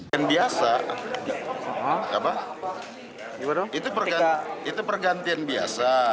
yang biasa itu pergantian biasa